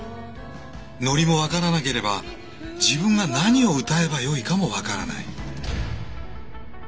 ノリも分からなければ自分が何を歌えばよいかも分からない。